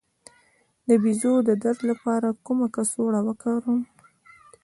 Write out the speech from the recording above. د بیضو د درد لپاره کومه کڅوړه وکاروم؟